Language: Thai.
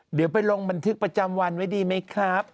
เดี๋ยวไปลงบันทึกประจำวันไว้ดีไหมครับ